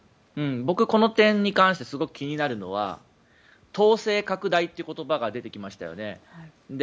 僕、この点に関してすごく気になるのは党勢拡大という言葉が出てきましたよね。